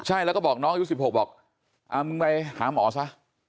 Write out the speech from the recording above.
ใช่แล้วก็บอกน้องอายุ๑๖บอกมึงไปหาหมอซะ